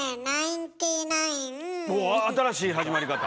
うわ新しい始まり方！